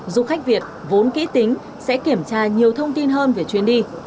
du khách việt vốn kỹ tính sẽ kiểm tra nhiều thông tin hơn về chuyến đi